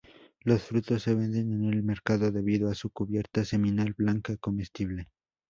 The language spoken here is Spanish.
Los frutos se venden en el mercado debido a su cubierta seminal blanca comestible.